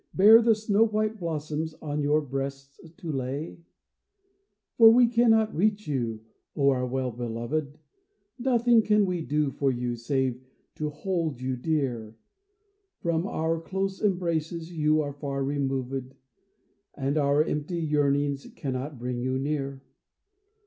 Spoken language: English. Bear the snow white blossoms on your breasts to lay ? For we cannot reach you, O our well beloved — Nothing can we do for you save to hold you dear ; From our close embraces ye are far removed, And our empty yearnings cannot bring you near.